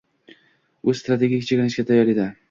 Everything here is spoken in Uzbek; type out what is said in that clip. U strategik chekinishga tayyor edi